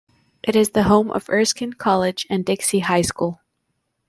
It is the home of Erskine College and Dixie High School.